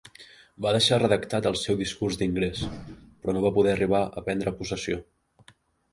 Va deixar redactat el seu discurs d'ingrés, però no va poder arribar a prendre possessió.